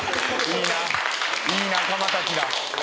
いい仲間たちだ。